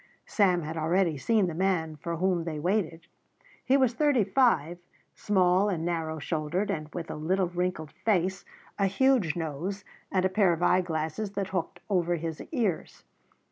Sam had already seen the man for whom they waited. He was thirty five, small and narrow shouldered, with a little wrinkled face, a huge nose, and a pair of eyeglasses that hooked over his ears.